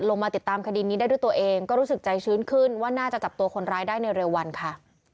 ลงมาติดตามคดีนี้ได้ด้วยตัวเองก็รู้สึกใจชื้นขึ้นว่าน่าจะจับตัวคนร้ายได้ในเร็ววันค่ะ